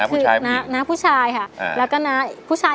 ทั้งในเรื่องของการทำงานเคยทำนานแล้วเกิดปัญหาน้อย